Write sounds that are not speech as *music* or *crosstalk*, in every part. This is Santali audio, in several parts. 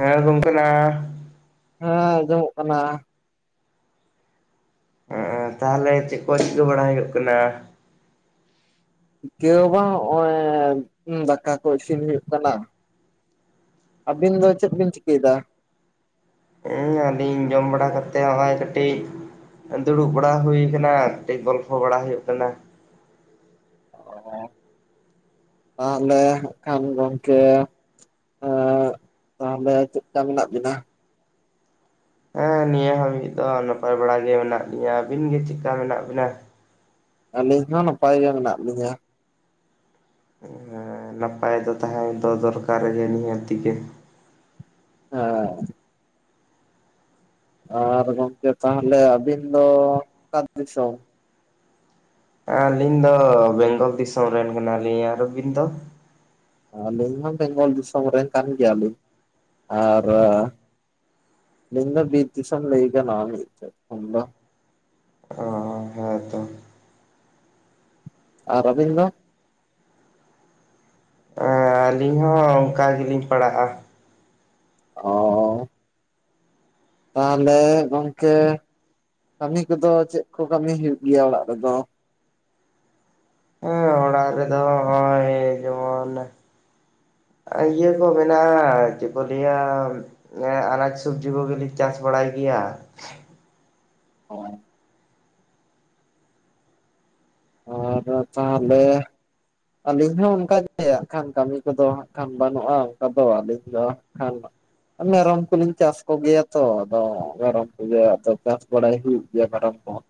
ᱦᱮᱸ ᱜᱚᱝᱠᱮᱟ ᱱᱟ ᱦᱮᱸ ᱟᱸᱡᱚᱢᱚᱜ ᱠᱟᱱᱟ᱾ ᱛᱟᱦᱚᱞᱮ ᱪᱮᱫ ᱠᱚ ᱪᱤᱠᱟᱹ ᱵᱟᱲᱟ ᱦᱩᱭᱩᱜ ᱠᱟᱱᱟ? ᱠᱮᱣ ᱵᱟᱝ ᱱᱚᱜᱼᱚᱭ ᱫᱟᱠᱟ ᱠᱚ ᱤᱥᱤᱱ ᱦᱩᱭᱩᱜ ᱠᱟᱱᱟ᱾ ᱟᱹᱵᱤᱱ ᱫᱚ ᱪᱮᱫ ᱵᱤᱱ ᱪᱤᱠᱟᱹᱭᱮᱫᱟ? ᱦᱩᱸ ᱟᱹᱞᱤᱧ ᱡᱚᱢ ᱵᱟᱲᱟ ᱠᱟᱛᱮᱫ ᱱᱚᱜᱚᱭ ᱠᱟᱹᱴᱤᱡ ᱫᱩᱲᱩᱵ ᱵᱟᱲᱟ ᱦᱩᱭ ᱟᱠᱟᱱᱟ ᱠᱟᱹᱴᱤᱡ ᱜᱚᱞᱯᱷᱚ ᱵᱟᱲᱟ ᱦᱩᱭᱩᱜ ᱠᱟᱱᱟ ᱾ *inaudible* ᱛᱟᱦᱚᱞᱮ ᱠᱷᱟᱱ ᱜᱚᱝᱠᱮ ᱛᱟᱦᱚᱞᱮ ᱪᱮᱫ ᱞᱮᱠᱟ ᱢᱮᱱᱟᱜ ᱵᱤᱱᱟ? ᱦᱮᱸ ᱱᱤᱭᱟᱹ ᱦᱟ. ᱵᱤᱡ ᱫᱚ ᱱᱟᱯᱟᱭ ᱵᱟᱲᱟ ᱜᱮ ᱢᱮᱱᱟᱜ ᱞᱤᱧᱟᱹ᱾ ᱟᱹᱵᱤᱱ ᱜᱮ ᱪᱮᱫᱞᱮᱠᱟ ᱢᱮᱱᱟᱜ ᱵᱤᱱᱟ? ᱟᱹᱞᱤᱧ ᱦᱚᱸ ᱱᱟᱯᱟᱭ ᱜᱮ ᱢᱮᱱᱟᱜ ᱞᱤᱧᱟ ᱦᱮᱸ ᱱᱟᱯᱟᱭ ᱫᱚ ᱛᱟᱦᱮᱸ ᱫᱚ ᱫᱚᱨᱠᱟᱨ ᱜᱮ ᱱᱤᱦᱟᱹᱛᱤ ᱜᱮ ᱦᱚᱭ ᱟᱨ ᱜᱚᱝᱠᱮ ᱛᱟᱦᱚᱞᱮ ᱟᱹᱵᱤᱱ ᱫᱚ ᱚᱠᱟ ᱫᱤᱥᱚᱢ ᱟᱹᱞᱤᱧ ᱫᱚ ᱵᱮᱝᱜᱚᱞ ᱫᱤᱥᱚᱢ ᱨᱮᱱ ᱠᱟᱱᱟᱞᱤᱧ, ᱟᱨ ᱟᱹᱵᱤᱱ ᱫᱚ? ᱟᱹᱞᱤᱧ ᱦᱚᱸ ᱵᱮᱝᱜᱚᱞ ᱫᱤᱥᱚᱢ ᱨᱮᱱ ᱠᱟᱱ ᱜᱮᱭᱟᱞᱤᱧ ᱟᱨ ᱟᱹᱞᱤᱧ ᱫᱚ ᱵᱤᱨ ᱤᱫᱥᱚᱢ ᱞᱟᱹᱭ ᱜᱟᱱᱚᱜᱼᱟ ᱢᱤᱫ ᱥᱮᱫ ᱠᱷᱚᱱ ᱫᱚ ᱚ ᱦᱮᱸᱛᱚ ᱟᱨ ᱟᱹᱵᱤᱱ ᱫᱚ? ᱟᱹᱞᱤᱧ ᱦᱚᱸ ᱚᱱᱠᱟ ᱜᱮᱞᱤᱧ ᱯᱟᱲᱟᱜᱼᱟ ᱚ ᱛᱟᱦᱚᱞᱮ ᱜᱚᱝᱠᱮ ᱠᱟᱹᱢᱤ ᱠᱚᱫᱚ ᱪᱮᱫ ᱠᱚ ᱠᱟᱹᱢᱤ ᱦᱩᱭᱩᱜ ᱜᱮᱭᱟ ᱚᱲᱟᱜ ᱨᱮᱫᱚ ᱦᱮᱸ ᱚᱲᱟᱜ ᱨᱮᱫᱚ ᱦᱚᱸᱜ-ᱚᱭ ᱮᱭ ᱡᱮᱢᱚᱱ ᱤᱭᱟᱹ ᱠᱚ ᱢᱮᱱᱟᱜᱼᱟ ᱪᱮᱫ ᱠᱚ ᱞᱟᱹᱭᱟ ᱟᱱᱟᱡ ᱥᱚᱵᱽᱡᱤ ᱠᱚᱜᱮᱞᱤᱧ ᱪᱟᱥ ᱵᱟᱲᱟᱭ ᱜᱮᱭᱟ ᱦᱚᱭ ᱟᱫᱚ ᱛᱟᱦᱞᱮ ᱟᱹᱞᱤᱧ ᱦᱚᱸ ᱚᱱᱠᱟᱜ ᱜᱮ ᱦᱟᱸᱜ ᱠᱷᱟᱱ ᱠᱟᱹᱢᱤ ᱠᱚᱫᱚ ᱦᱟᱸᱜ ᱠᱷᱟᱱ ᱵᱟᱹᱱᱩᱜᱼᱟ ᱚᱱᱠᱟ ᱫᱚ ᱟᱹᱞᱤᱧ ᱫᱚ ᱠᱷᱟᱱ ᱢᱟ ᱢᱮᱨᱚᱢ ᱠᱚᱞᱤᱧ ᱪᱟᱥ ᱠᱚᱜᱮᱭᱟ ᱛᱚ ᱟᱫᱚ ᱢᱮᱨᱚᱢ ᱠᱚᱜᱮ ᱟᱫᱚ ᱪᱟᱥ ᱵᱟᱲᱟᱭ ᱦᱩᱭᱩᱜ ᱜᱮᱭᱟ ᱢᱮᱨᱚᱢ ᱠᱚᱦᱚᱸ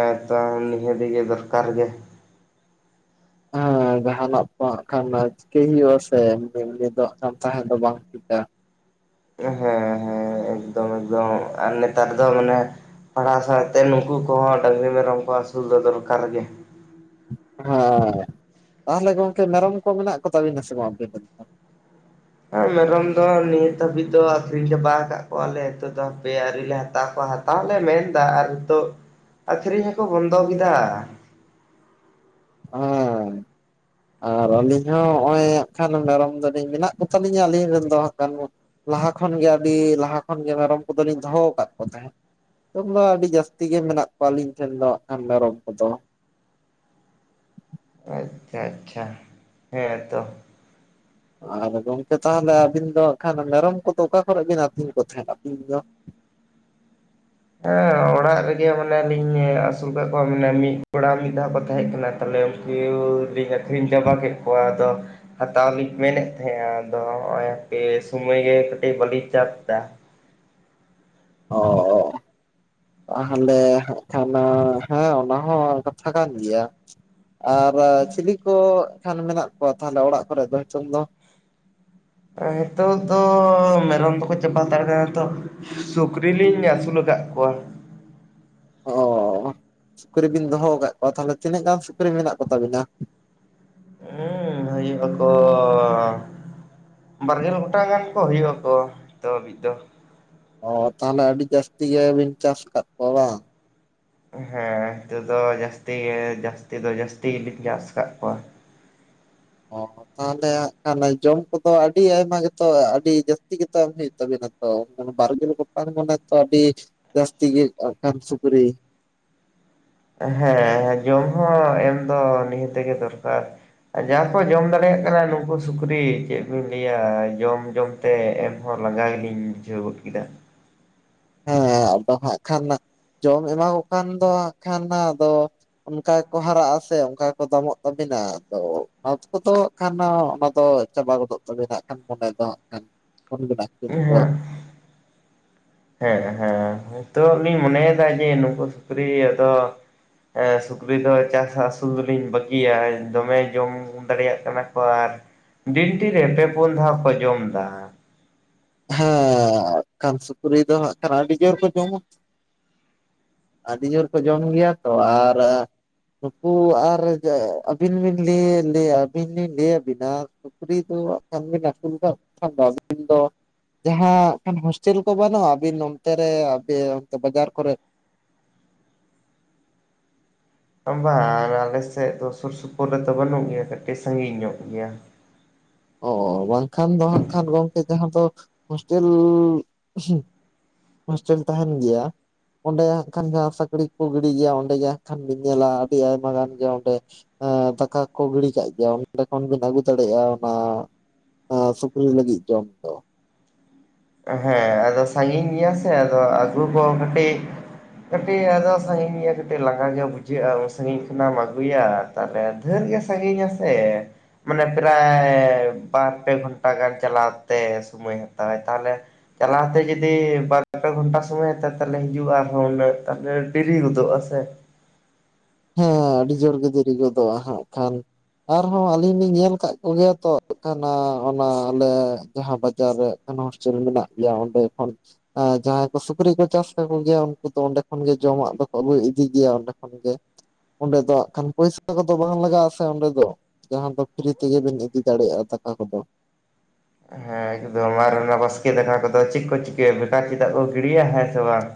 ᱦᱮᱸ ᱛᱚ ᱱᱤᱦᱟᱹᱛᱤ ᱜᱮ ᱫᱚᱨᱠᱟᱨ ᱜᱮ ᱦᱮᱸ ᱡᱟᱦᱟᱱᱟᱜ ᱠᱚᱜ ᱠᱷᱟᱱ ᱪᱤᱠᱟᱹᱭ ᱦᱩᱭᱩᱜ ᱟ ᱥᱮ ᱫᱤᱱ ᱫᱚ ᱠᱷᱟᱱ ᱛᱟᱦᱮᱸ ᱫᱚ ᱵᱟᱝ *unintelligible* ᱦᱮᱸ ᱦᱮᱸ ᱮᱠᱫᱚᱢ ᱮᱠᱫᱚᱢ ᱟᱨ ᱱᱮᱛᱟᱨ ᱫᱚ ᱢᱟᱱᱮ ᱯᱟᱲᱦᱟᱣ ᱥᱟᱶᱛᱮ ᱱᱩᱠᱩ ᱠᱚᱦᱚᱸ ᱰᱟᱹᱝᱨᱤ ᱢᱮᱨᱚᱢ ᱠᱚ ᱟᱹᱥᱩᱞ ᱫᱚ ᱫᱚᱨᱠᱟᱨ ᱜᱮ ᱦᱮᱸ ᱛᱟᱦᱚᱞᱮ ᱜᱚᱝᱠᱮ ᱢᱮᱨᱚᱢ ᱠᱚ ᱢᱮᱱᱟᱜ ᱠᱚ ᱛᱟᱵᱤᱱᱟ ᱥᱮ ᱵᱟᱝ ᱟᱵᱤᱱ ᱨᱤᱱ ᱫᱚ ᱦᱮᱸ ᱦᱮ ᱢᱮᱨᱚᱢ ᱫᱚ ᱱᱤᱛ ᱦᱟᱹᱵᱤᱡ ᱫᱚ ᱟᱠᱷᱨᱤᱧ ᱪᱟᱵᱟ ᱠᱟᱫ ᱠᱚᱣᱟᱞᱮ ᱱᱤᱛᱚᱜ ᱫᱚ ᱦᱟᱯᱮ ᱟᱹᱨᱤᱞᱮ ᱦᱟᱛᱟᱣ ᱠᱚᱣᱟ ᱦᱟᱛᱟᱣᱟ ᱞᱮ ᱢᱮᱱ ᱮᱫᱟ ᱟᱨ ᱱᱤᱛᱚᱜ ᱟᱠᱷᱨᱤᱧ ᱦᱚᱸᱠᱚ ᱵᱚᱱᱫᱚ ᱠᱮᱫᱟ *unintelligible* *inaudible* ᱟᱨ ᱟᱹᱞᱤᱧ ᱦᱚᱸ ᱦᱚᱜᱼᱚᱭ ᱦᱟᱸᱜ ᱠᱷᱟᱱ ᱢᱮᱨᱚᱢ ᱫᱚᱞᱤᱧ ᱢᱮᱱᱟᱜ ᱠᱚᱛᱟᱞᱤᱧᱟ ᱟᱹᱞᱤᱧ ᱨᱮᱱ ᱫᱚ ᱦᱟᱸᱜ ᱠᱷᱟᱱ ᱞᱟᱦᱟ ᱠᱷᱚᱱᱜᱮ ᱟᱹᱰᱤ ᱞᱟᱦᱟ ᱠᱷᱚᱱᱜᱮ ᱢᱮᱨᱚᱢ ᱠᱚᱫᱚᱞᱤᱧ ᱫᱚᱦᱚ ᱠᱟᱫ ᱠᱚ ᱛᱟᱦᱮᱸᱫ ᱫᱚᱢᱮ ᱟᱹᱰᱤ ᱡᱟᱹᱥᱛᱤ ᱜᱮ ᱢᱮᱱᱟᱜ ᱠᱚᱣᱟ ᱟᱹᱞᱤᱧ ᱴᱷᱮᱱ ᱫᱚ ᱦᱟᱸᱜ ᱠᱷᱟᱱ ᱢᱮᱨᱚᱢ ᱠᱚᱫᱚ ᱟᱪᱪᱷᱟ ᱟᱪᱪᱷᱟ ᱦᱮᱸ ᱛᱚ ᱟᱨ ᱜᱚᱝᱠᱮ ᱛᱟᱦᱚᱞᱮ ᱟᱹᱵᱤᱱ ᱫᱚ ᱦᱟᱸᱜ ᱠᱷᱟᱱ ᱢᱮᱨᱚᱢ ᱠᱚᱫᱚ ᱚᱠᱟ ᱠᱚᱨᱮᱜ ᱵᱤᱱ ᱟᱹᱛᱤᱧ ᱠᱚ ᱛᱟᱦᱮᱫ ᱟᱹᱛᱤᱧ ᱫᱚ ᱦᱮᱸ ᱚᱲᱟᱜ ᱨᱮᱜᱮ ᱢᱟᱱᱮ ᱞᱤᱧ ᱟᱹᱥᱩᱞ ᱠᱟᱜ ᱠᱚᱣᱟ ᱢᱟᱱᱮ ᱢᱤᱫ ᱜᱚᱲᱟ ᱢᱤᱫ ᱫᱷᱟᱣ ᱠᱚ ᱛᱟᱦᱮᱸ ᱠᱟᱱᱟ ᱛᱟᱦᱚᱞᱮ ᱩᱱᱠᱩ ᱞᱤᱧ ᱟᱹᱠᱷᱨᱤᱧ ᱪᱟᱵᱟ ᱠᱮᱜ ᱠᱚᱣᱟ ᱟᱫᱚ ᱦᱟᱛᱟᱣ ᱞᱤᱧ ᱢᱮᱱᱮᱫ ᱛᱟᱦᱮᱜ-ᱟ ᱟᱫᱚ ᱦᱚᱜᱼᱚᱭ ᱦᱟᱯᱮ ᱥᱩᱢᱟᱹᱭ ᱜᱮ ᱠᱟᱹᱴᱤᱡ ᱵᱟᱞᱤᱧ ᱪᱟᱯ ᱫᱟ ᱚ ᱚ ᱛᱟᱦᱞᱮ ᱦᱟᱸᱜ ᱠᱷᱟᱱ ᱦᱮᱸ ᱚᱱᱟ ᱦᱚᱸ ᱠᱟᱛᱷᱟ ᱠᱟᱱ ᱜᱮᱭᱟ ᱟᱨ ᱪᱤᱞᱤ ᱠᱚ ᱠᱷᱟᱱ ᱢᱮᱱᱟᱜ ᱠᱚᱣᱟ ᱛᱟᱦᱞᱮ ᱚᱲᱟᱜ ᱠᱚᱨᱮᱜ ᱫᱚ ᱦᱮᱛᱳᱝ ᱫᱚ ᱦᱮᱛᱳᱜ ᱫᱚ ᱢᱮᱨᱚᱢ ᱫᱚᱠᱚ ᱪᱟᱵᱟ ᱦᱟᱛᱟᱲ ᱠᱟᱱᱟ ᱛᱚ ᱥᱩᱠᱨᱤ ᱞᱤᱧ ᱟᱹᱥᱩᱞ ᱠᱟᱜ ᱠᱚᱣᱟ ᱚ ᱥᱩᱠᱨᱤ ᱵᱤᱱ ᱫᱚᱦᱚ ᱠᱟᱜ ᱠᱚᱣᱟ ᱛᱟᱦᱞᱮ ᱛᱤᱱᱟᱹᱜ ᱜᱟᱱ ᱥᱩᱠᱨᱤ ᱢᱮᱱᱟᱜ ᱠᱚ ᱛᱟᱵᱤᱱᱟ ᱦᱩᱸ ᱦᱳᱭᱳᱜ ᱟᱠᱚ ᱵᱟᱨᱜᱮᱞ ᱜᱚᱴᱟᱝ ᱜᱟᱱ ᱠᱚ ᱦᱳᱭᱳᱜ ᱟᱠᱚ ᱦᱤᱛᱳᱜ ᱦᱟᱹᱵᱤᱡ ᱫᱚ ᱚ ᱛᱟᱦᱞᱮ ᱟᱹᱰᱤ ᱡᱟᱹᱥᱛᱤ ᱜᱮᱵᱤᱱ ᱪᱟᱥ ᱠᱟᱫ ᱠᱚᱣᱟ ᱵᱟᱝ ᱦᱮᱸ ᱦᱤᱛᱳᱜ ᱫᱚ ᱡᱟᱹᱥᱛᱤ ᱜᱮ ᱡᱟᱹᱥᱛᱤ ᱫᱚ ᱡᱟᱹᱥᱛᱤ ᱜᱤᱵᱤᱱ ᱪᱟᱥ ᱠᱟᱜ ᱠᱚᱣᱟ? ᱚ ᱛᱟᱦᱞᱮ ᱦᱟᱸᱜ ᱠᱷᱟᱱ ᱡᱚᱢ ᱠᱚᱫᱚ ᱟᱹᱰᱤ ᱟᱭᱢᱟ ᱜᱮᱛᱚ ᱟᱹᱰᱤ ᱡᱟᱹᱥᱛᱤ ᱜᱮᱛᱚ ᱮᱢ ᱦᱩᱭᱩᱜ ᱛᱟᱵᱤᱱᱟ ᱛᱚ ᱢᱟᱱᱮ ᱵᱟᱨᱜᱮᱞ ᱠᱚᱴᱟᱱ ᱢᱟᱱᱮ ᱛᱚ ᱟᱹᱰᱤ ᱡᱟᱹᱥᱛᱤ ᱜᱮ ᱠᱷᱟᱱ ᱥᱩᱠᱨᱤ ᱦᱮᱸ ᱡᱚᱢ ᱦᱚᱸ ᱮᱢ ᱫᱚ ᱱᱤᱦᱟᱹᱛ ᱜᱮ ᱫᱚᱨᱠᱟᱨ ᱾ ᱡᱟᱦᱟᱸ ᱠᱚ ᱡᱚᱢ ᱫᱟᱲᱮᱭᱟᱜ ᱠᱟᱱᱟ ᱱᱩᱠᱩ ᱥᱩᱠᱨᱤ ᱪᱮᱫ ᱵᱤᱱ ᱞᱟᱹᱭᱟ ᱡᱚᱢ ᱡᱚᱢ ᱛᱮ ᱮᱢᱦᱚᱸ ᱞᱟᱸᱜᱟ ᱜᱮᱞᱤᱧ ᱵᱩᱡᱷᱟᱹᱣ ᱜᱚᱫ ᱠᱮᱫᱟ ᱦᱮᱸ ᱟᱫᱚ ᱦᱟᱸᱜ ᱠᱷᱟᱱ ᱡᱚᱢ ᱮᱢᱟ ᱠᱚ ᱠᱷᱟᱱ ᱫᱚ ᱦᱟᱸᱜ ᱠᱷᱟᱱ ᱟᱫᱚ ᱚᱱᱠᱟ ᱜᱮᱠᱚ ᱦᱟᱨᱟᱜ ᱟᱥᱮ ᱚᱱᱠᱟ ᱜᱮᱠᱚ ᱫᱟᱢᱚᱜ ᱛᱟᱵᱤᱱᱟ ᱟᱫᱚ *unintelligible* ᱠᱚᱫᱚ ᱠᱷᱟᱱ ᱚᱱᱟ ᱫᱚ ᱪᱟᱵᱟ ᱜᱚᱫᱚᱜ ᱛᱟᱹᱵᱮᱱᱟ ᱦᱟᱸᱜ ᱠᱷᱟᱱ *unintelligible* ᱦᱮᱸ ᱦᱮᱸ ᱦᱮᱸ ᱱᱤᱛᱚᱜ ᱞᱤᱧ ᱢᱚᱱᱮᱭ ᱫᱟ ᱡᱮ ᱱᱩᱠᱩ ᱥᱩᱠᱨᱤ ᱟᱫᱚ ᱥᱩᱠᱨᱤ ᱫᱚ ᱪᱟᱥ ᱟᱥᱩᱞ ᱫᱚᱞᱤᱧ ᱵᱟᱹᱜᱤᱭᱟ ᱫᱚᱢᱮ ᱡᱚᱢ ᱫᱟᱲᱮᱭᱟᱜ ᱠᱟᱱᱟ ᱠᱚ ᱟᱨ ᱫᱤᱱᱴᱤ ᱨᱮ ᱯᱮ ᱯᱳᱱ ᱫᱷᱟᱣ ᱠᱚ ᱡᱚᱢ ᱫᱟ ᱾ ᱦᱮᱸ ᱠᱟᱱ ᱥᱩᱠᱨᱤ ᱫᱚ ᱦᱟᱸᱜ ᱠᱷᱟᱱ ᱟᱹᱰᱤ ᱡᱳᱨ ᱠᱚ ᱡᱚᱢᱟ ᱾ ᱟᱹᱰᱤ ᱡᱳᱨ ᱠᱚ ᱡᱚᱢ ᱜᱮᱭᱟ ᱛᱚ ᱟᱨ ᱱᱩᱠᱩ ᱟᱨ ᱟᱹᱵᱤᱱ ᱵᱤᱱ ᱞᱮ ᱞᱮᱭᱟ ᱟᱹᱵᱤᱱ ᱞᱤᱧ ᱞᱮ ᱟᱵᱤᱱᱟ ᱥᱩᱠᱨᱤ ᱫᱚ ᱦᱟᱸᱜ ᱠᱷᱟᱱ ᱵᱤᱱ ᱟᱥᱩᱞ ᱠᱟᱫ ᱠᱚᱠᱷᱟᱱ ᱟᱵᱤᱱ ᱫᱚ ᱡᱟᱦᱟᱸ ᱦᱟᱜ ᱠᱷᱟᱱ ᱦᱳᱥᱴᱮᱞ ᱠᱚ ᱵᱟᱹᱱᱩᱜᱼᱟ ᱟᱵᱤᱱ ᱱᱚᱱᱛᱮ ᱨᱮ ᱟᱯᱮ ᱚᱱᱛᱮ ᱵᱟᱡᱟᱨ ᱠᱚᱨᱮ? ᱵᱟᱝ ᱟᱞᱮ ᱥᱮᱫ ᱫᱚ ᱥᱩᱨ ᱥᱩᱯᱩᱨ ᱨᱮᱫᱚ ᱵᱟᱹᱱᱩᱜ ᱜᱮᱭᱟ ᱠᱟᱹᱴᱤᱡ ᱥᱟᱺᱜᱤᱧ ᱧᱚᱜ ᱜᱮᱭᱟ ᱾ ᱚ ᱵᱟᱝᱠᱷᱟᱱ ᱫᱚ ᱦᱟᱸᱜ ᱠᱷᱟᱱ ᱜᱚᱢᱠᱮ ᱡᱟᱦᱟᱸ ᱫᱚ ᱦᱳᱥᱴᱮᱞ ᱦᱳᱥᱴᱮᱞ ᱛᱟᱦᱮᱱ ᱜᱮᱭᱟ ᱚᱸᱰᱮ ᱦᱟᱸᱜ ᱠᱷᱟᱱ ᱡᱟᱦᱟᱸ ᱥᱟᱠᱲᱤ ᱠᱚ ᱜᱤᱰᱤ ᱜᱮᱭᱟ ᱚᱸᱰᱮ ᱜᱮ ᱦᱟᱸᱜ ᱠᱷᱟᱱ ᱵᱤᱱ ᱧᱮᱞᱟ ᱟᱹᱰᱤ ᱟᱭᱢᱟ ᱜᱟᱱ ᱜᱮ ᱚᱸᱰᱮ ᱫᱟᱠᱟ ᱠᱚ ᱜᱤᱲᱤ ᱠᱟᱜ ᱜᱮᱭᱟ ᱚᱸᱰᱮ ᱠᱷᱚᱱ ᱵᱤᱱ ᱟᱹᱜᱩ ᱫᱟᱲᱮᱭᱟᱜᱼᱟ ᱾ ᱚᱱᱟ ᱥᱩᱠᱨᱤ ᱞᱟᱹᱜᱤᱫ ᱡᱚᱢ ᱫᱚ᱾ ᱦᱮᱸ ᱟᱫᱚ ᱥᱟᱜᱤᱧ ᱜᱮᱭᱟ ᱥᱮ ᱟᱫᱚ ᱟᱹᱜᱩ ᱠᱚ ᱠᱟᱹᱴᱤᱡ ᱠᱟᱹᱴᱤᱡ ᱟᱫᱚ ᱥᱟᱹᱝᱜᱤᱧ ᱜᱮᱭᱟ ᱠᱟᱹᱴᱤᱡ ᱞᱟᱸᱜᱟ ᱜᱮ ᱵᱩᱡᱷᱟᱹᱜᱼᱟ ᱩᱱ ᱥᱟᱹᱜᱤᱧ ᱠᱷᱚᱱᱟᱢ ᱟᱹᱜᱩᱭᱟ ᱾ ᱛᱟᱦᱚᱞᱮ ᱫᱷᱮᱨ ᱜᱮ ᱥᱟᱺᱜᱤᱧᱟ ᱥᱮ ᱢᱟᱱᱮ ᱯᱨᱟᱭ ᱵᱟᱨ ᱯᱮ ᱜᱷᱚᱱᱴᱟ ᱜᱟᱱ ᱪᱟᱞᱟᱣ ᱛᱮ ᱥᱩᱢᱟᱹᱭ ᱦᱟᱛᱟᱣᱟᱭ ᱾ ᱛᱟᱦᱞᱮ ᱪᱟᱞᱟᱣ ᱛᱮ ᱡᱩᱫᱤ ᱵᱟᱨ ᱯᱮ ᱜᱷᱚᱱᱴᱟ ᱥᱩᱢᱟᱹᱭ ᱦᱟᱛᱟᱣᱟᱭ ᱛᱟᱦᱞᱮ ᱦᱤᱡᱩᱜ ᱟᱨᱦᱚᱸ ᱩᱱᱟᱹᱜ ᱛᱟᱦᱮ ᱰᱤᱨᱤ ᱜᱚᱫᱚᱜ ᱟᱥᱮ ᱦᱮᱸ ᱟᱹᱰᱤ ᱡᱳᱨ ᱜᱮ ᱫᱤᱨᱤ ᱜᱚᱫᱚᱜᱼᱟ ᱦᱟᱸᱜ ᱠᱷᱟᱱ ᱟᱨᱦᱚᱸ ᱟᱹᱞᱤᱧ ᱞᱤᱧ ᱧᱮᱞ ᱠᱟᱜ ᱠᱚᱜᱮᱭᱟ ᱛᱚ *unintelligible* ᱚᱱᱟ ᱟᱞᱮ ᱡᱟᱦᱟᱸ ᱵᱟᱡᱟᱨ ᱨᱮ ᱦᱳᱥᱴᱮᱞ ᱢᱮᱱᱟᱜ ᱜᱮᱭᱟ ᱚᱸᱰᱮ ᱠᱷᱚᱱ ᱡᱟᱦᱟᱸᱭ ᱠᱚ ᱥᱩᱠᱨᱤ ᱠᱚ ᱪᱟᱥ ᱠᱟᱠᱚ ᱜᱮᱭᱟ ᱩᱱᱠᱩ ᱫᱚ ᱚᱸᱰᱮ ᱠᱷᱚᱱ ᱜᱮ ᱡᱚᱢᱟᱜ ᱫᱚᱠᱚ ᱟᱹᱜᱩ ᱤᱫᱤ ᱜᱮᱭᱟ ᱚᱸᱰᱮ- *unintelligible* ᱚᱸᱰᱮ ᱫᱚ ᱦᱟᱸᱜ ᱠᱷᱟᱱ ᱯᱚᱭᱥᱟ ᱠᱚᱫᱚ ᱵᱟᱝ ᱞᱟᱜᱟᱜᱼᱟ ᱥᱮ ᱚᱸᱰᱮ ᱫᱚ ᱡᱟᱦᱟᱸ ᱫᱚ ᱯᱷᱨᱤ ᱛᱮᱜᱮ ᱵᱤᱱ ᱤᱫᱤ ᱫᱟᱲᱮᱭᱟᱜᱼᱟ ᱫᱟᱠᱟ ᱠᱚᱫᱚ ᱾ ᱦᱮᱸ ᱮᱠᱫᱚᱢ ᱟᱨ ᱚᱱᱟ ᱵᱟᱥᱠᱮ ᱫᱟᱠᱟ ᱠᱚᱫᱚ ᱪᱮᱫ ᱠᱚ ᱪᱤᱠᱟᱹᱭᱟ ᱵᱮᱠᱟᱨ ᱪᱮᱫᱟᱜ ᱠᱚ ᱜᱤᱲᱤᱭᱟ ᱦᱮᱸ ᱥᱮ ᱵᱟᱝ?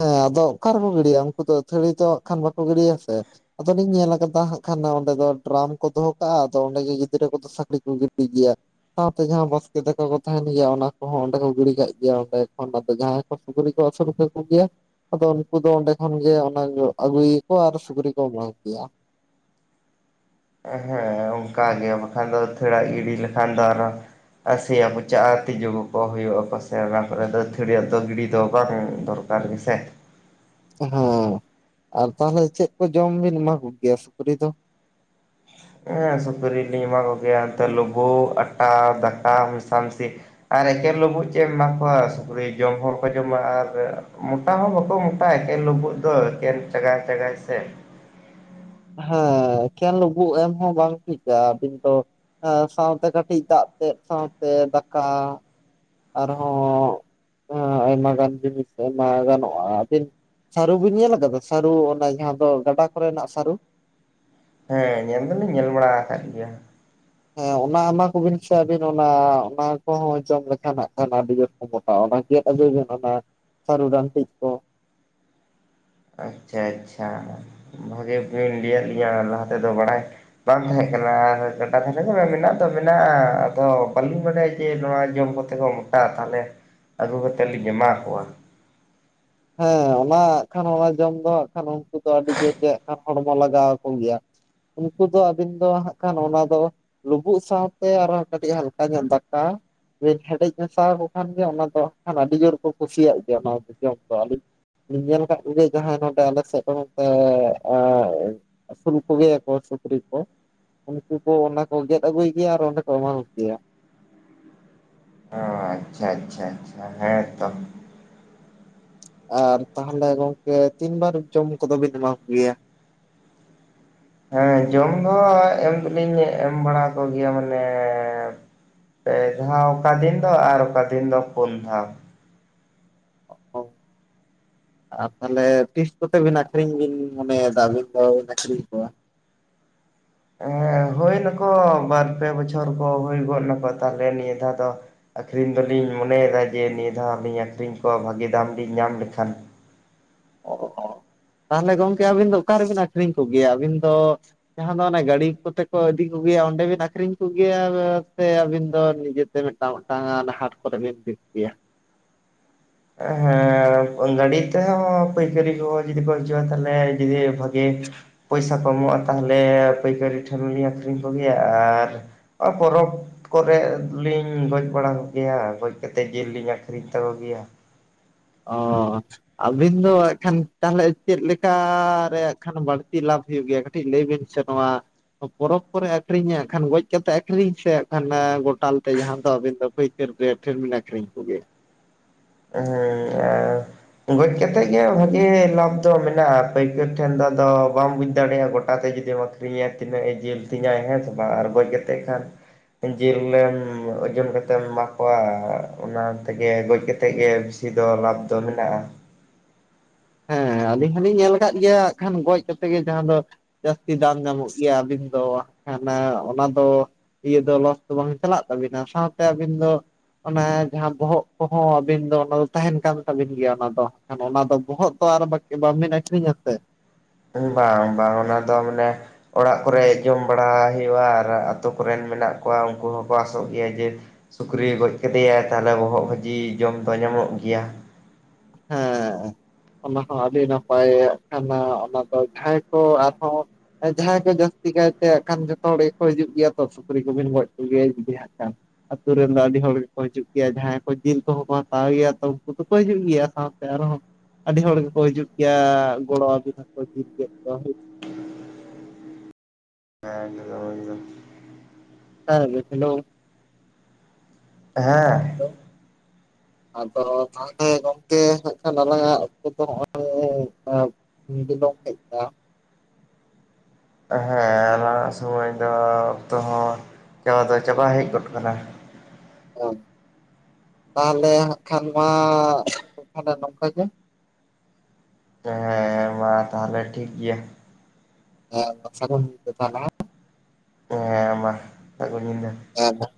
ᱦᱮᱸ ᱟᱫᱚ ᱚᱠᱟ ᱨᱮᱠᱚ ᱜᱤᱰᱤᱭᱟ ᱩᱱᱠᱩ ᱫᱚ ᱟᱹᱛᱷᱟᱹᱨᱤ ᱛᱚ ᱦᱟᱜ ᱠᱷᱟᱱ ᱵᱟᱠᱚ ᱜᱤᱰᱤᱭᱟ ᱥᱮ ᱟᱫᱚᱞᱤᱧ ᱧᱮᱞ ᱟᱠᱟᱫᱟ ᱦᱟᱸᱜ ᱠᱷᱟᱱ ᱚᱸᱰᱮ ᱫᱚ ᱰᱨᱟᱢ ᱠᱚ ᱫᱚᱦᱚ ᱠᱟᱜᱼᱟ ᱟᱫᱚ ᱚᱸᱰᱮ ᱜᱮ ᱜᱤᱫᱽᱨᱟᱹ ᱠᱚᱫᱚ ᱥᱟᱹᱠᱲᱤ ᱠᱚ ᱜᱤᱰᱤ ᱜᱮᱭᱟ ᱾ ᱥᱟᱶᱛᱮ ᱡᱟᱦᱟᱸ ᱵᱟᱥᱠᱮ ᱫᱟᱠᱟ ᱠᱚ ᱛᱟᱦᱮᱱ ᱜᱮᱭᱟ ᱚᱱᱟ ᱠᱚᱦᱚᱸ ᱚᱸᱰᱮ ᱠᱚ ᱜᱤᱰᱤ ᱠᱟᱜ ᱜᱮᱭᱟ ᱚᱸᱰᱮ ᱠᱷᱚᱱ ᱟᱫᱚ ᱡᱟᱦᱟᱸᱭ- ᱥᱩᱠᱨᱤ ᱠᱚ ᱟᱹᱥᱩᱞ ᱠᱚ - ᱜᱮᱭᱟ ᱟᱫᱚ ᱩᱱᱠᱩ ᱫᱚ ᱚᱸᱰᱮ ᱠᱷᱚᱱ ᱜᱮ ᱚᱱᱟ ᱟᱹᱜᱩᱭᱟᱠᱚ ᱟᱨ ᱥᱩᱠᱨᱤ ᱠᱚ ᱮᱢᱟ ᱠᱚᱜᱮᱭᱟ᱾ ᱦᱮᱸ ᱚᱱᱠᱟ ᱜᱮ ᱵᱟᱠᱷᱟᱱ ᱫᱚ ᱟᱹᱛᱷᱚᱲᱟᱜ ᱜᱤᱰᱤ ᱞᱮᱠᱷᱟᱱ ᱫᱚ ᱟᱨᱚ ᱟᱨ ᱥᱮᱭᱟ ᱯᱚᱪᱟᱜᱼᱟ ᱛᱤᱡᱩ ᱠᱚᱠᱚ ᱦᱩᱭᱩᱜᱼᱟᱠᱚ ᱥᱮ ᱚᱱᱟ ᱠᱚᱨᱮ ᱫᱚ ᱟᱹᱛᱷᱟᱹᱣᱲᱤ ᱭᱟᱹᱜ ᱫᱚ ᱜᱤᱰᱤ ᱫᱚ ᱵᱟᱝ ᱫᱚᱨ- ᱠᱟᱨ ᱜᱮ ᱥᱮ᱾ ᱦᱮᱸ ᱟᱨ ᱛᱟᱦᱚᱞᱮ ᱪᱮᱫ ᱠᱚ ᱡᱚᱢ ᱵᱤᱱ ᱮᱢᱟ ᱠᱚᱜᱮᱭᱟ ᱥᱩᱠᱨᱤ ᱫᱚ? ᱦᱸ ᱥᱩᱠᱨᱤᱞᱤᱧ ᱮᱢᱟ ᱠᱚᱜᱮᱭᱟ ᱮᱱᱛᱮ ᱞᱩᱵᱩᱜ ᱟᱴᱟ ᱫᱟᱠᱟ ᱢᱮᱥᱟᱢᱤᱥᱤ ᱟᱨ ᱮᱠᱮᱱ ᱞᱩᱵᱩᱜ ᱪᱮᱫ ᱮᱢ ᱮᱢᱟ ᱠᱚᱣᱟ ᱥᱩᱠᱨᱤ ᱡᱚᱢ ᱦᱚᱸ ᱵᱟᱠᱚ ᱡᱚᱢᱟ ᱟᱨ ᱢᱚᱴᱟ ᱦᱚᱸ ᱵᱟᱠᱚ ᱢᱚᱴᱟᱼᱟ ᱮᱠᱮᱱ ᱞᱩᱵᱩᱜ ᱫᱚ ᱮᱠᱮᱱ ᱞᱩᱵᱩᱜ ᱫᱚ ᱪᱟᱜᱟᱭ ᱪᱟᱜᱟᱭ ᱥᱮ ᱦᱮᱸ ᱮᱠᱷᱮᱱ ᱞᱩᱵᱩᱜ ᱮᱢ ᱦᱚᱸ ᱵᱟᱝ ᱴᱷᱤᱠᱟ ᱟᱹᱵᱤᱱ ᱫᱚ ᱥᱟᱶᱛᱮ ᱠᱟᱹᱴᱤᱡ ᱫᱟᱜ ᱛᱮᱫ ᱥᱟᱶᱛᱮ ᱫᱟᱠᱟ ᱟᱨᱦᱚᱸ ᱟᱭᱢᱟ ᱜᱟᱱ ᱡᱤᱱᱤᱥ ᱮᱢᱟ ᱜᱟᱱᱚᱜᱼᱟ ᱟᱹᱵᱤᱱ- ᱥᱟᱹᱨᱩ ᱵᱤᱱ ᱧᱮᱞ ᱟᱠᱟᱫᱟ ᱥᱟᱹᱨᱩ ᱚᱱᱟ ᱡᱟᱦᱟᱸ ᱫᱚ ᱜᱟᱰᱟ ᱠᱚᱨᱮᱱᱟᱜ ᱥᱟᱹᱨᱩ ᱦᱮᱸ ᱧᱮᱞ ᱫᱚᱞᱤᱧ ᱧᱮᱞ ᱵᱟᱲᱟ ᱟᱠᱟᱫ ᱜᱮᱭᱟ ᱦᱮᱸ ᱚᱱᱟ ᱮᱢᱟ ᱠᱚᱵᱤᱱ ᱥᱮ ᱟᱹᱵᱤᱱ ᱚᱱᱟ ᱚᱱᱟ ᱠᱚᱦᱚᱸ ᱡᱚᱢ ᱞᱮᱠᱷᱟᱱ ᱦᱟᱜ ᱠᱷᱟᱱ ᱟᱹᱰᱤ ᱡᱳᱨ- ᱢᱚᱴᱟᱼᱟ ᱚᱱᱟ ᱜᱮᱫ ᱟᱹᱜᱩᱭ ᱵᱮᱱ ᱚᱱᱟ ᱥᱟᱹᱨᱩ ᱰᱟᱱᱴᱤᱡ ᱠᱚ ᱟᱪᱪᱷᱟ ᱟᱪᱪᱷᱟ ᱵᱷᱟᱜᱤ ᱵᱤᱱ ᱞᱟᱹᱭᱟᱫ ᱞᱤᱧᱟ ᱞᱟᱦᱟ ᱛᱮᱫᱚ ᱵᱟᱲᱟᱭ- ᱵᱟᱝ ᱛᱟᱦᱮᱸ ᱠᱟᱱᱟ ᱟᱨ ᱜᱟᱰᱟ ᱫᱷᱟᱨᱮ ᱫᱷᱟᱨᱮ ᱢᱮᱱᱟᱜ ᱫᱚ ᱢᱮᱱᱟᱜᱼᱟ ᱟᱫᱚ ᱵᱟᱹᱞᱤᱧ ᱵᱟᱰᱟᱭᱟ ᱡᱮ ᱱᱚᱣᱟ ᱡᱚᱢ- ᱠᱚᱛᱮᱠᱚ ᱢᱚᱴᱟᱼᱟ ᱛᱟᱦᱚᱞᱮ ᱟᱹᱜᱩ ᱠᱟᱛᱮᱫ ᱞᱤᱧ ᱮᱢᱟ ᱠᱚᱣᱟ ᱦᱮᱸ ᱚᱱᱟ ᱦᱟᱸᱜ ᱠᱷᱟᱱ ᱚᱱᱟ ᱡᱚᱢ ᱫᱚ ᱦᱟᱸᱜ ᱠᱷᱟᱱ ᱩᱱᱠᱩ ᱫᱚ ᱟᱹᱰᱤ ᱡᱳᱨ ᱜᱮ ᱦᱚᱲᱢᱚ ᱞᱟᱜᱟᱣ ᱟᱠᱚ ᱜᱮᱭᱟ ᱩᱱᱠᱩ ᱫᱚ ᱟᱹᱵᱤᱱ ᱫᱚ ᱦᱟᱸᱜ ᱠᱷᱟᱱ ᱚᱱᱟ ᱫᱚ ᱞᱩᱵᱩᱜ ᱥᱟᱶᱛᱮ ᱟᱨᱦᱚᱸ ᱠᱟᱹᱴᱤᱡ ᱦᱟᱞᱠᱟ ᱧᱚᱜ ᱫᱟᱠᱟ ᱵᱤᱱ ᱦᱮᱰᱮᱡ ᱢᱮᱥᱟᱣᱠᱚ ᱠᱷᱟᱱ ᱜᱮ ᱚᱱᱟ ᱫᱚ ᱦᱟᱜ ᱠᱷᱟᱱ ᱟᱹᱰᱤ ᱡᱳᱨ ᱠᱚ ᱠᱩᱥᱤᱭᱟᱜ ᱜᱮᱭᱟ ᱚᱱᱟ ᱫᱚ ᱡᱚᱢ- ᱫᱚ ᱟᱹᱞᱤᱧ ᱞᱤᱧ ᱧᱮᱞ ᱠᱟᱫ ᱠᱚ ᱜᱮᱭᱟ ᱡᱟᱦᱟᱸᱭ ᱱᱚᱰᱮ ᱟᱞᱮ ᱥᱮᱫ ᱠᱷᱚᱱ ᱱᱛᱮ- ᱟᱹᱥᱩᱞ ᱠᱚᱜᱮᱭᱟᱠᱚ ᱥᱩᱠᱨᱤ ᱠᱚ ᱩᱱᱠᱩ ᱠᱚ ᱚᱱᱟ ᱠᱚ ᱜᱮᱫ ᱟᱹᱜᱩᱭ ᱜᱮᱭᱟ ᱟᱨ ᱚᱸᱰᱮ ᱠᱚ ᱮᱢᱟ ᱠᱚᱜᱮᱭᱟ᱾ ᱚ ᱟᱪᱪᱷᱟ ᱟᱪᱪᱷᱟ ᱟᱪᱪᱷᱟ ᱦᱮᱸᱛᱚ ᱟᱨ ᱛᱟᱦᱚᱞᱮ ᱜᱚᱝᱠᱮ ᱛᱤᱱᱵᱟᱨ ᱡᱚᱢ ᱠᱚᱫᱚ ᱵᱤᱱ ᱮᱢᱟ ᱠᱚᱜᱮᱭᱟ ᱦᱮᱸ ᱡᱚᱢ ᱫᱚ ᱮᱢ ᱫᱚᱞᱤᱧ ᱮᱢ ᱵᱟᱲᱟ ᱠᱚᱜᱮᱭᱟ ᱢᱟᱱᱮ ᱯᱮ ᱫᱷᱟᱣ ᱚᱠᱟ ᱫᱤᱱ ᱫᱚ ᱟᱨ ᱚᱠᱟ ᱫᱤᱱ ᱫᱚ ᱯᱩᱱ ᱫᱷᱟᱣ *inaudible* ᱟᱨ ᱛᱟᱦᱚᱞᱮ ᱛᱤᱥ ᱠᱚᱛᱮ ᱵᱤᱱ ᱟᱠᱷᱨᱤᱧ ᱵᱤᱱ ᱢᱚᱱᱮᱭᱮᱫᱟ ᱟᱹᱵᱤᱱ ᱫᱚᱵᱤᱱ ᱟᱠᱷᱨᱤᱧ ᱠᱚᱣᱟ ᱦᱮᱸ ᱦᱩᱭ ᱱᱟᱠᱚ ᱵᱟᱨ ᱯᱮ ᱵᱚᱪᱷᱚᱨ ᱠᱚ ᱦᱩᱭ ᱜᱚᱫ ᱱᱟᱠᱚ ᱛᱟᱦᱞᱮ ᱱᱤᱭᱟᱹ ᱫᱷᱟᱣ ᱫᱚ ᱟᱠᱷᱨᱤᱧ ᱫᱚᱞᱤᱧ ᱢᱚᱱᱮᱭᱮᱫᱟ ᱡᱮ ᱱᱤᱭᱟᱹ ᱫᱷᱟᱣ ᱞᱤᱧ ᱟᱠᱷᱨᱤᱧ ᱠᱚᱣᱟ ᱵᱷᱟᱜᱤ ᱫᱟᱢ ᱞᱤᱧ ᱧᱟᱢ ᱞᱮᱠᱷᱟᱱ ᱚ ᱛᱟᱦᱚᱞᱮ ᱜᱚᱝᱠᱮ ᱟᱹᱵᱤᱱ ᱫᱚ ᱚᱠᱟ ᱨᱮᱵᱤᱱ ᱟᱹᱷᱨᱤᱧ ᱠᱚᱜᱮᱭᱟ ᱟᱹᱵᱤᱱ ᱫᱚ ᱡᱟᱦᱟᱸ ᱫᱚ ᱚᱱᱮ ᱜᱟᱹᱲᱤ ᱠᱚᱛᱮ ᱠᱚ ᱤᱫᱤ ᱠᱚᱜᱮᱭᱟ ᱚᱸᱰᱮ ᱵᱤᱱ ᱟᱠᱷᱨᱤᱧ ᱠᱚᱜᱮᱭᱟ ᱥᱮ ᱟᱹᱵᱤᱱ ᱫᱚ ᱱᱤᱡᱮᱛᱮ ᱢᱤᱫᱴᱟᱝ ᱢᱤᱫᱴᱟᱝ ᱦᱟᱴ ᱠᱚᱨᱮ ᱵᱮᱱ ᱤᱫᱤᱠᱣᱭᱟ ᱦᱮᱸ ᱜᱟᱹᱰᱤ ᱛᱮᱦᱚᱸ ᱯᱟᱹᱭᱠᱟᱹᱨᱤ ᱠᱚ ᱡᱩᱫᱤ ᱠᱚ ᱦᱤᱡᱩᱜᱼᱟ ᱛᱟᱦᱚᱞᱮ ᱡᱩᱫᱤ ᱵᱷᱟᱹᱜᱮ- ᱯᱚᱭᱥᱟ ᱠᱚ ᱮᱢᱚᱜᱼᱟ ᱛᱟᱦᱚᱞᱮ ᱯᱟᱹᱭᱠᱟᱹᱨᱤ ᱴᱷᱮᱱᱞᱤᱧ ᱟᱠᱷᱨᱤᱧ ᱠᱚᱜᱮᱭᱟ ᱟᱨ- ᱟᱨ ᱯᱚᱨᱚᱵ ᱠᱚᱨᱮ ᱞᱤᱧ ᱜᱚᱡ ᱵᱟᱲᱟ ᱠᱚᱜᱮᱭᱟ ᱟᱨ ᱜᱚᱡ ᱠᱟᱛᱮᱫ ᱡᱤᱞ ᱞᱤᱧ ᱟᱠᱷᱨᱤᱧ ᱛᱟᱠᱚ ᱜᱮᱭᱟ ᱾ ᱚ ᱟᱹᱵᱤᱱ ᱫᱚ ᱮᱠᱷᱟᱱ ᱛᱟᱦᱚᱞᱮ ᱪᱮᱫ ᱞᱮᱠᱟ ᱨᱮ ᱦᱟᱸᱜ ᱠᱷᱟᱱ ᱵᱟᱹᱲᱛᱤ ᱞᱟᱵᱷ ᱦᱩᱭᱩᱜ ᱜᱮᱭᱟ? ᱠᱟᱹᱴᱤᱡ ᱞᱟᱹᱭ ᱵᱤᱱ ᱥᱮ ᱱᱚᱣᱟ ᱯᱚᱨᱚᱵᱽ ᱠᱚᱨᱮ ᱟᱠᱷᱨᱤᱧ ᱦᱟᱸᱜ ᱠᱷᱟᱱ ᱜᱚᱡ ᱠᱟᱛᱮ ᱟᱠᱷᱨᱤᱧ ᱥᱮ ᱦᱟᱸᱜ ᱠᱷᱟᱱ ᱜᱚᱴᱟ ᱛᱟᱞ ᱛᱮ ᱡᱟᱦᱟᱸ ᱫᱚ ᱟᱹᱵᱤᱱ ᱫᱚ ᱯᱟᱹᱭᱠᱟᱹᱨ ᱨᱮ ᱴᱷᱮᱱ ᱵᱤᱱ ᱟᱠᱷᱨᱤᱧ ᱠᱚᱜᱮᱭᱟ ᱾ ᱦᱩ *unintelligible* ᱜᱚᱡ ᱠᱟᱛᱮᱫ ᱜᱮ ᱵᱷᱟᱜᱤ ᱞᱟᱵᱷ ᱫᱚ ᱢᱮᱱᱟᱜᱼᱟ, ᱯᱟᱹᱭᱠᱟᱹᱨ ᱴᱷᱮᱱ ᱫᱚ ᱟᱫᱚ ᱵᱟᱢ ᱵᱩᱡ ᱫᱟᱲᱮᱭᱟᱜᱼᱟ ᱜᱚᱴᱟ ᱛᱮ ᱡᱩᱫᱤ ᱟᱹᱠᱷᱨᱤᱧᱟᱭ ᱛᱤᱱᱟᱹᱜ ᱮ ᱡᱤᱞ ᱛᱤᱧᱟᱭ ᱦᱮᱸ ᱥᱮ ᱵᱟᱝ ᱟᱨ ᱜᱚᱡ ᱠᱟᱛᱮᱫ ᱠᱷᱟᱱ ᱡᱤᱞ ᱮᱢ ᱳᱡᱚᱱ ᱠᱟᱛᱮᱢ ᱮᱢᱟ ᱠᱚᱣᱟ ᱚᱱᱟ ᱛᱮᱜᱮ ᱜᱚᱡ ᱠᱟᱛᱮ ᱛᱮᱜᱮ ᱵᱮᱥᱤ ᱫᱚ ᱞᱟᱵᱷ ᱫᱚ ᱢᱮᱱᱟᱜᱼᱟ᱾ ᱦᱮᱸ ᱟᱹᱞᱤᱧ ᱦᱚᱞᱤᱧ ᱧᱮᱞ ᱟᱠᱟᱫ ᱜᱮᱭᱟᱜ ᱠᱷᱟᱱ ᱜᱚᱡ ᱠᱟᱛᱮ ᱜᱮ ᱡᱟᱦᱟᱸ ᱫᱚ ᱡᱟᱹᱥᱛᱤ ᱫᱟᱢ ᱧᱟᱢᱚᱜ ᱜᱮᱭᱟ, ᱟᱹᱵᱤᱱ ᱫᱚ ᱠᱷᱟᱱ ᱚᱱᱟ ᱫᱚ ᱤᱭᱟᱹ ᱫᱚ ᱞᱚᱥ ᱫᱚ ᱵᱟᱝ ᱪᱟᱞᱟᱜ ᱛᱟᱵᱤᱱᱟ ᱥᱟᱶᱛᱮ ᱟᱹᱵᱤᱱ ᱫᱚ ᱚᱱᱟ ᱡᱟᱦᱟᱸ ᱵᱚᱦᱚᱜ ᱠᱚᱦᱚᱸ ᱟᱹᱵᱤᱱ ᱫᱚ ᱚᱱᱟ ᱫᱚ ᱛᱟᱦᱮᱱ ᱠᱟᱱ ᱛᱟᱵᱤᱱ ᱜᱮᱭᱟ ᱚᱱᱟ ᱫᱚ, ᱚᱱᱟ ᱵᱚᱦᱚᱜ ᱟᱨ ᱵᱟᱠ ᱵᱟᱝ ᱵᱤᱱ ᱟᱠᱷᱨᱤᱧᱟ ᱥᱮ? ᱵᱟᱝ ᱵᱟᱝ ᱚᱱᱟ ᱫᱚ ᱢᱟᱱᱮ, ᱚᱲᱟᱜ ᱠᱚᱨᱮ ᱡᱚᱢ ᱵᱟᱲᱟ ᱦᱩᱭᱩᱜᱼᱟ ᱟᱨ ᱟᱹᱛᱳ ᱠᱚᱨᱮᱱ ᱢᱮᱱᱟᱜ ᱠᱚᱣᱟ ᱩᱱᱠᱩ ᱦᱚᱸᱠᱚ ᱟᱥᱚᱜ ᱜᱮᱭᱟ ᱡᱮ ᱥᱩᱠᱨᱤ ᱜᱚᱡ ᱠᱮᱫᱮᱭᱟᱭ ᱛᱟᱦᱚᱞᱮ ᱵᱚᱦᱚᱜ ᱵᱷᱟᱹᱡᱤ ᱡᱚᱢ ᱫᱚ ᱧᱟᱢᱚᱜ ᱜᱮᱭᱟ ᱾ ᱦᱮᱸ ᱾ ᱚᱱᱟ ᱦᱚᱸ ᱟᱹᱰᱤ ᱱᱟᱯᱟᱭᱟᱜ ᱠᱟᱱᱟ ᱚᱱᱟ ᱫᱚ ᱴᱷᱟᱭ ᱠᱚ ᱟᱨᱦᱚᱸ ᱡᱟᱦᱟᱸᱭ ᱠᱚ ᱡᱟᱹᱥᱛᱤ ᱠᱟᱭᱛᱮ ᱟᱜ ᱠᱷᱟᱱ ᱡᱚᱛᱚ ᱦᱚᱲ ᱜᱮᱠᱚ ᱦᱤᱡᱩᱜ ᱜᱮᱭᱟ ᱛᱚ ᱥᱩᱠᱨᱤ ᱠᱚᱵᱤᱱ ᱜᱚᱡ ᱠᱚ ᱜᱮᱭᱟ ᱡᱩᱫᱤ ᱦᱟᱸᱜ ᱟᱪᱪᱷᱟ, ᱟᱛᱳ ᱨᱮᱱ ᱫᱚ ᱟᱹᱰᱤ ᱦᱚᱲ ᱜᱮᱠᱚ ᱦᱤᱡᱩᱜ ᱜᱮᱭᱟ ᱡᱟᱦᱟᱸᱭ ᱠᱚ ᱡᱤᱞ ᱠᱚᱦᱚᱸ ᱠᱚ ᱦᱟᱛᱟᱣ ᱜᱮᱭᱟ ᱛᱚ ᱩᱱᱠᱩ ᱫᱚᱠᱚ ᱦᱤᱡᱩᱜ ᱜᱮᱭᱟ᱾ ᱥᱟᱶᱛᱮ ᱟᱨᱦᱚᱸ ᱟᱹᱰᱤ ᱦᱚᱲ ᱜᱮᱠᱚ ᱦᱤᱡᱩᱜ ᱜᱮᱭᱟ ᱜᱚᱲᱚᱣ ᱟᱵᱤᱱᱟ ᱠᱚ ᱡᱤᱞ ᱜᱮᱫ ᱠᱚ ᱮᱠᱫᱚᱢ ᱮᱠᱫᱚᱢ, ᱡᱚᱦᱟᱨ ᱜᱮ ᱦᱮᱞᱳ ᱾ ᱦᱮᱸ ᱾ ᱟᱫᱚ ᱛᱟᱦᱚᱞᱮ ᱜᱚᱝᱠᱮ ᱦᱟᱸᱜ ᱠᱷᱟᱱ ᱟᱞᱟᱝ ᱟᱜ ᱚᱠᱛᱚ ᱫᱚ ᱱᱚᱜᱼᱚᱭ *unintelligible* ᱦᱮᱸ ᱟᱞᱟᱝ ᱟᱜ ᱥᱩᱢᱚᱭ ᱫᱚ ᱚᱠᱛᱚ ᱦᱚᱸ ᱪᱟᱵᱟ ᱫᱚ ᱪᱟᱵᱟ ᱦᱮᱡ ᱜᱚᱫ ᱟᱠᱟᱱᱟ᱾ ᱛᱟᱦᱚᱞᱮ ᱦᱟᱸᱜ ᱠᱷᱟᱱ ᱢᱟ ᱛᱟᱦᱚᱞᱮ ᱱᱚᱝᱠᱟ ᱜᱮ᱾ ᱦᱮᱸ ᱢᱟ ᱛᱟᱦᱚᱞᱮ ᱴᱷᱤᱠ ᱜᱮᱭᱟ᱾ ᱦᱮᱸ ᱥᱟᱹᱜᱩᱱ ᱧᱤᱫᱟᱹ ᱛᱟᱦᱚᱞᱮ ᱦᱮᱸ ᱦᱮ ᱢᱟ ᱥᱟᱹᱜᱩᱱ ᱧᱤᱫᱟᱹ ᱾ ᱦᱮ ᱛᱚ,